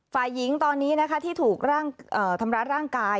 ฝ่ายหญิงตอนนี้นะคะที่ถูกทำร้ายร่างกาย